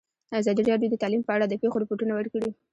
ازادي راډیو د تعلیم په اړه د پېښو رپوټونه ورکړي.